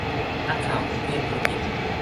นักข่าวกรุงเทพธุรกิจ